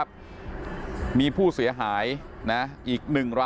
ตอนนี้ก็เปลี่ยนแบบนี้แหละ